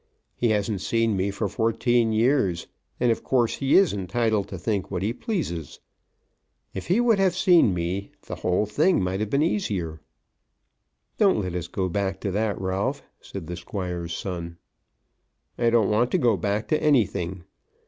He hasn't seen me for fourteen years, and of course he is entitled to think what he pleases. If he would have seen me the thing might have been easier." "Don't let us go back to that, Ralph," said the Squire's son. "I don't want to go back to anything.